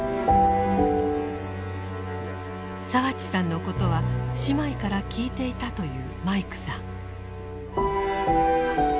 澤地さんのことは姉妹から聞いていたというマイクさん。